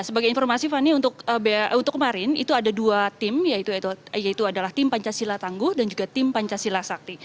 sebagai informasi fani untuk kemarin itu ada dua tim yaitu adalah tim pancasila tangguh dan juga tim pancasila sakti